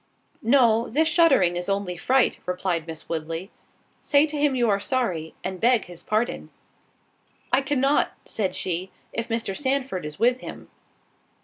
"No, this shuddering is only fright," replied Miss Woodley—"Say to him you are sorry, and beg his pardon." "I cannot," said she, "if Mr. Sandford is with him."